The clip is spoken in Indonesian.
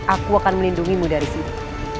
aku akan melindungimu dari sini